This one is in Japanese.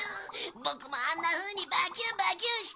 ボクもあんなふうにバキュンバキュンしてみたい。